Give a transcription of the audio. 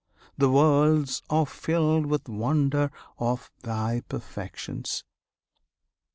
The worlds are filled with wonder Of Thy perfections!